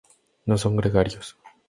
No son gregarios.